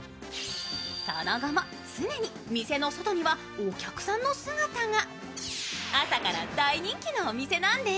その後も常に店の外にはお客さんの姿が。